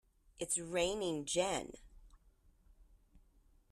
It's raining gin!